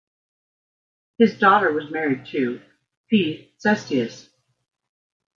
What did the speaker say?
His daughter was married to P. Sestius.